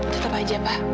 tetap aja pa